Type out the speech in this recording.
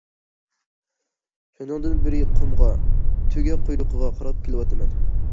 شۇنىڭدىن بېرى قۇمغا، تۆگە قۇيرۇقىغا قاراپ كېلىۋاتىمەن.